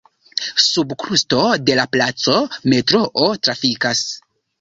Sub krusto de la placo metroo trafikas.